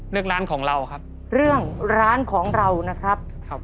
ร้านของเราครับเรื่องร้านของเรานะครับครับ